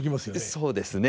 そうですね。